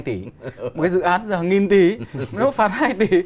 một cái dự án là nghìn tỷ nó phạt hai tỷ